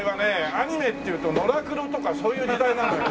アニメっていうと『のらくろ』とかそういう時代なのよ。